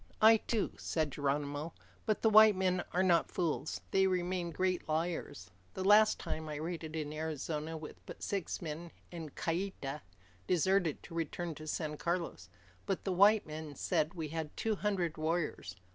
"I too," said Geronimo, "but the white men are not fools. They remain great liars. The last time, I raided in Arizona with but six men, and Kieta deserted to return to San Carlos. But the white men said we had two hundred warriors.